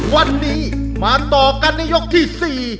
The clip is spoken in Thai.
วันนี้มาต่อกันในยกที่๔